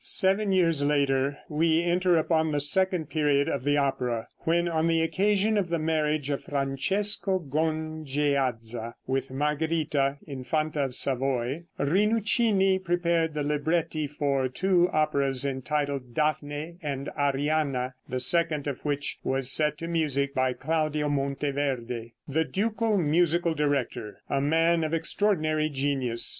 Seven years later we enter upon the second period of the opera, when, on the occasion of the marriage of Francesco Gongeaza with Margherita, Infanta of Savoy, Rinuccini prepared the libretti for two operas, entitled "Dafne" and "Arianna," the second of which was set to music by Claudio Monteverde, the ducal musical director, a man of extraordinary genius.